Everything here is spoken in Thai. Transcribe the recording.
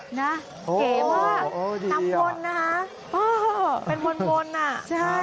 เห็นว่านำวนนะฮะ